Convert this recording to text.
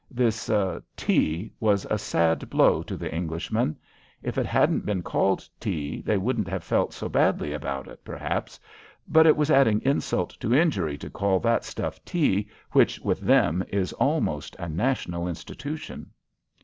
This "tea" was a sad blow to the Englishmen. If it hadn't been called tea, they wouldn't have felt so badly about it, perhaps, but it was adding insult to injury to call that stuff "tea" which, with them, is almost a national institution.